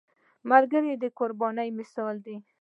ملګری د قربانۍ مثال دی